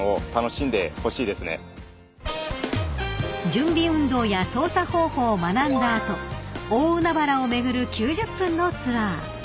［準備運動や操作方法を学んだ後大海原を巡る９０分のツアー］